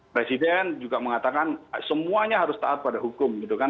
presiden juga mengatakan semuanya harus taat pada hukum gitu kan